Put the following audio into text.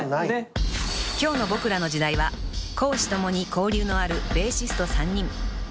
［今日の『ボクらの時代』は公私ともに交流のあるベーシスト３人］